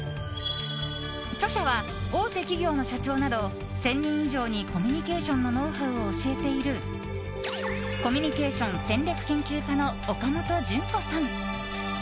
著者は大手企業の社長など１０００人以上にコミュニケーションのノウハウを教えているコミュニケーション戦略研究家の岡本純子さん。